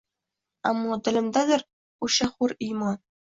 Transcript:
Ammo dilimdadir usha hur iymon